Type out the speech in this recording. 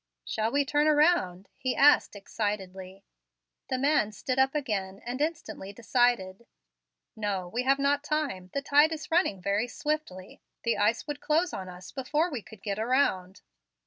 "Shall we turn around?" he asked, excitedly. The man stood up again, and instantly decided. "No, we have not time; the tide is running very swiftly. The ice would close on us before we could get around.